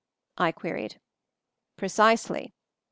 I queried. "Precisely.